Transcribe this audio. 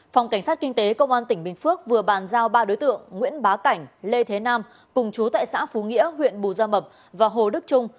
phòng cảnh sát kinh tế công an tỉnh bình phước vừa bàn giao ba đối tượng nguyễn bá cảnh lê thế nam cùng chú tại xã phú nghĩa huyện bù gia mập và hồ đức trung